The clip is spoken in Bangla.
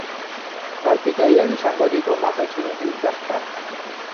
তার পিতা ইরানী সাংবাদিক ও মাতা ছিলেন রুশ ডাক্তার।